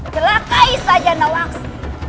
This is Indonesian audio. celakai saja nawangsi